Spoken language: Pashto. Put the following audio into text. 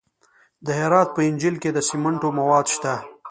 د هرات په انجیل کې د سمنټو مواد شته.